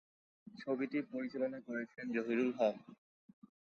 ছবিটি পরিচালনা করেছেন জহিরুল হক।